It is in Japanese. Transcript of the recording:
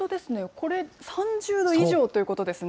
これ、３０度以上ということですね。